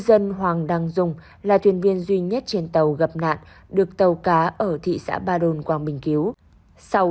ân hoàng đăng dùng là thuyền viên duy nhất trên tàu gặp nạn được tàu cá ở thị xã ba đồn quảng bình cứu